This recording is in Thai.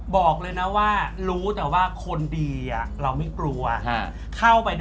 บอกเลยนะว่ารู้แต่ว่าคนดีเราไม่กลัวเข้าไป